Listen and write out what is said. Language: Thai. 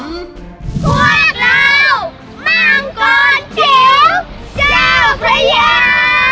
พวกเรามังกรจิ๋วเจ้าพระยาสู้ไม่ถอยค่า